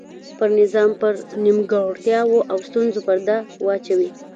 پر نظام پر نیمګړتیاوو او ستونزو پرده واچوي.